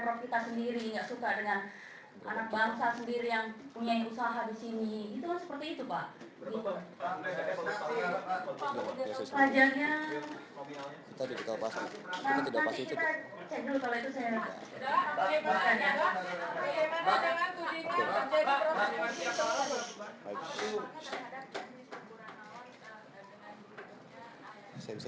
profil kki jakarta bagaimana menurut anda